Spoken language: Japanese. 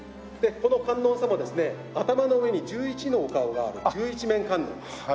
この観音様はですね頭の上に１１のお顔がある十一面観音です。